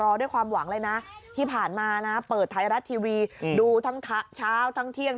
ด้วยความหวังเลยนะที่ผ่านมานะเปิดไทยรัฐทีวีดูทั้งเช้าทั้งเที่ยง